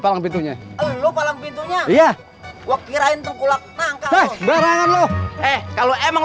palang pintunya lu palang pintunya iya gua kirain tuh kulak barangan loh eh kalau emang